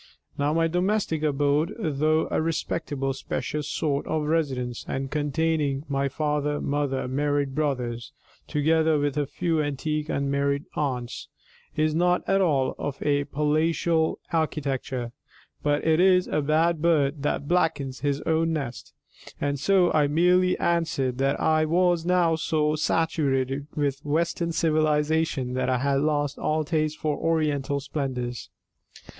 Now my domestic abode, though a respectable spacious sort of residence, and containing my father, mother, married brothers, &c., together with a few antique unmarried aunts, is not at all of a palatial architecture; but it is a bad bird that blackens his own nest, and so I merely answered that I was now so saturated with Western civilisation, that I had lost all taste for Oriental splendours.